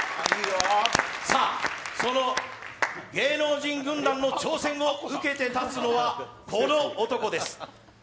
その芸能人集団の挑戦を受けて立つのはこの男です。